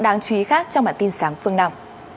đáng chú ý khác trong bản tin sáng phương nam